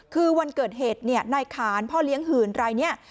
คือวันเกิดเหตุเนี่ยในขานพ่อเลี้ยงหืนไรเนี่ย